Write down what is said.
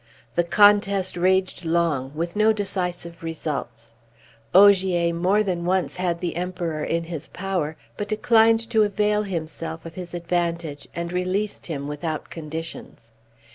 The contest raged long, with no decisive results. Ogier more than once had the Emperor in his power, but declined to avail himself of his advantage, and released him without conditions.